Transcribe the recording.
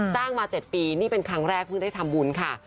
มา๗ปีนี่เป็นครั้งแรกเพิ่งได้ทำบุญค่ะ